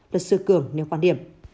luật sư cường nêu quan điểm